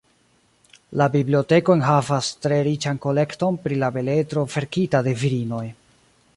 La biblioteko enhavas tre riĉan kolekton pri la beletro verkita de virinoj.